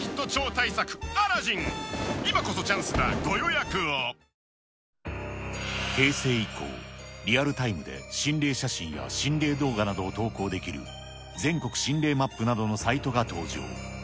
白髪かくしもホーユー平成以降、リアルタイムで心霊写真や心霊動画などを投稿できる全国心霊マップなどのサイトが登場。